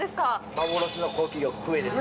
幻の高級魚、クエです。